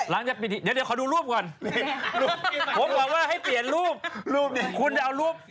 แล้วช่วงที่ปิดหีบเป็นช่วงย้ายพอดีไหมคะ